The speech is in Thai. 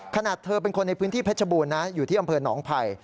เธอเป็นคนในพื้นที่เพชรบูรณนะอยู่ที่อำเภอหนองไผ่